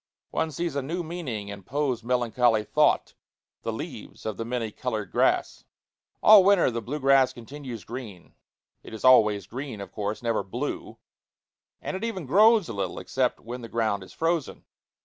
One sees a new meaning in Poe's melancholy thought the leaves of the many colored grass. All winter the blue grass continues green it is always green, of course, never blue and it even grows a little, except when the ground is frozen.